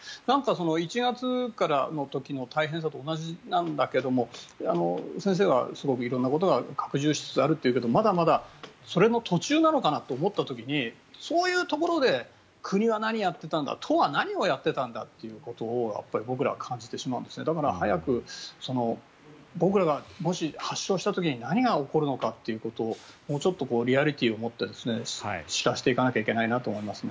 １月からの時の大変さと同じなんだけども先生がすごく色々なことが拡充しつつあるというけれどまだまだそれの途中なのかなと思った時に、そういうところで国は何をやっていたんだ都は何をやってたんだということを僕らは感じてしまうんですねだから早く僕らがもし、発症した時に何が起こるのかっていうことをもうちょっとリアリティーを持って知らせていかないといけないなと思いますね。